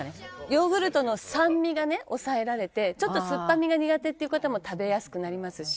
ヨーグルトの酸味がね抑えられてちょっと酸っぱみが苦手っていう方も食べやすくなりますし。